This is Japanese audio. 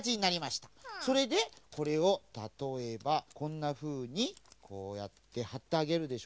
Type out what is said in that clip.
それでこれをたとえばこんなふうにこうやってはってあげるでしょ。